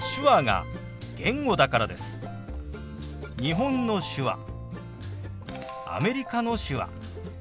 日本の手話アメリカの手話